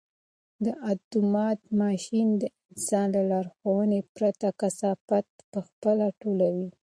دا اتومات ماشین د انسان له لارښوونې پرته کثافات په خپله ټولوي.